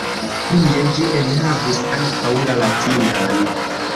Plie ĝi enhavis ankaŭ la latinan.